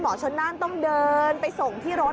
ชนน่านต้องเดินไปส่งที่รถ